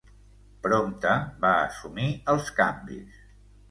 Prompte va assumir els canvis.